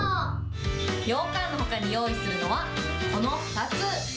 ようかんのほかに用意するのはこの２つ。